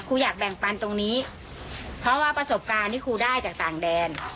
อยากแบ่งปันตรงนี้เพราะว่าประสบการณ์ที่ครูได้จากต่างแดน